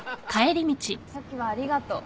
さっきはありがとう。